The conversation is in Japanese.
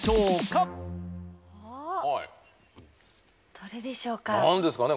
どれでしょうか？